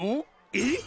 えっ？